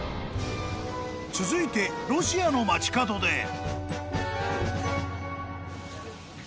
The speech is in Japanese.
［続いてロシアの街角で］